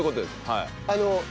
はい。